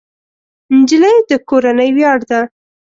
نجلۍ د کورنۍ ویاړ ده.